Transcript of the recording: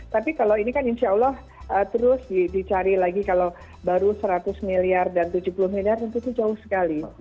tapi kalau ini kan insya allah terus dicari lagi kalau baru seratus miliar dan tujuh puluh miliar itu jauh sekali